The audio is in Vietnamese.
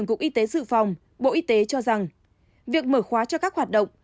cục y tế dự phòng bộ y tế cho rằng việc mở khóa cho các hoạt động